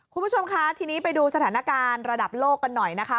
คุณผู้ชมคะทีนี้ไปดูสถานการณ์ระดับโลกกันหน่อยนะคะ